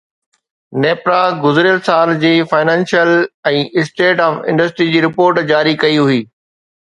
نيپرا گذريل سال جي فنانشل ۽ اسٽيٽ آف انڊسٽري جي رپورٽ جاري ڪئي هئي